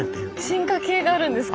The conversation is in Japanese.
進化形があるんですか。